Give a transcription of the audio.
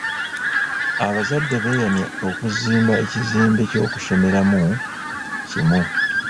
Abazadde beeyamye okuzimba ekizimbe ky'okusomeramu kimu.